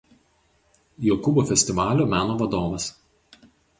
Jokūbo festivalio meno vadovas.